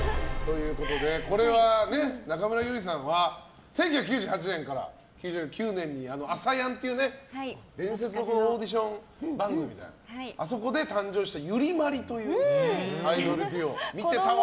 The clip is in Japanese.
これは、中村ゆりさんは１９９８年から９９年に「ＡＳＡＹＡＮ」っていう伝説のオーディション番組あそこで誕生したＹＵＲＩＭＡＲＩというアイドルデュオを。